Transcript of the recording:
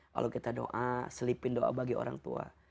kalau kita doa selipin doa bagi orang tua